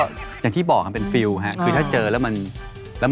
ก็อย่างที่บอกกันเป็นฟิลฮะคือถ้าเจอแล้วมันแล้ว